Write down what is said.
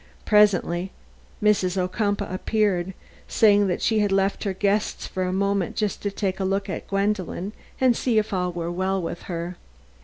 Presently Mrs. Ocumpaugh appeared, saying that she had left her guests for a moment just to take a look at Gwendolen and see if all were well with her.